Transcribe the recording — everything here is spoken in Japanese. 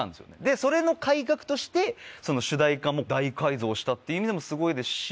それの改革としてその主題歌も大改造したっていう意味でもすごいですし。